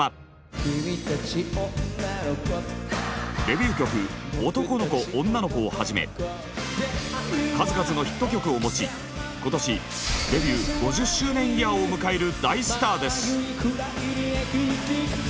「君達女の子」デビュー曲「男の子女の子」をはじめ数々のヒット曲を持ち今年デビュー５０周年イヤーを迎える大スターです。